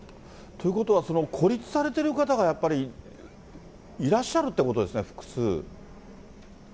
ということは孤立されてる方がやっぱり、いらっしゃるってことですね、複数。